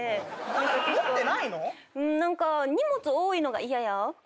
何か荷物多いのが嫌や。